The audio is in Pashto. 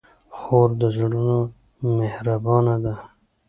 خور د زړونو مهربانه ده.